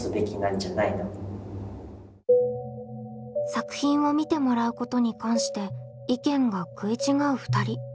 作品を見てもらうことに関して意見が食い違う２人。